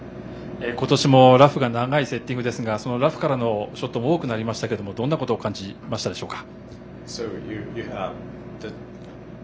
今年もラフが長いセッティングですがラフからのショットも多くなりましたがどんなことを感じましたでしょうか。